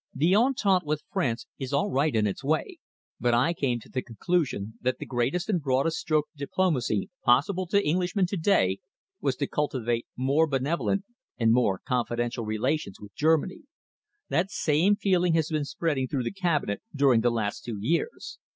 The entente with France is all right in its way, but I came to the conclusion that the greatest and broadest stroke of diplomacy possible to Englishmen to day was to cultivate more benevolent and more confidential relations with Germany. That same feeling has been spreading through the Cabinet during the last two years.